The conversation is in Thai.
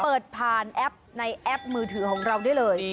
เปิดผ่านแอปในแอปมือถือของเราได้เลย